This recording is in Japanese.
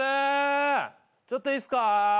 ちょっといいっすか？